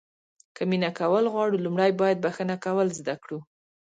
که مینه کول غواړو لومړی باید بښنه کول زده کړو.